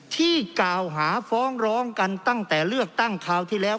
ที่กล่าวหาฟ้องร้องกันตั้งแต่เลือกตั้งคราวที่แล้ว